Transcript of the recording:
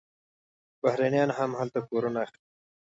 بهرنیان هم هلته کورونه اخلي.